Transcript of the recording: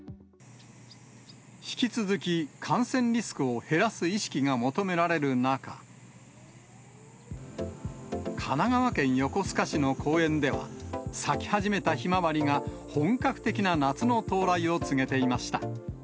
引き続き感染リスクを減らす意識が求められる中、神奈川県横須賀市の公園では、咲き始めたひまわりが、本格的な夏の到来を告げていました。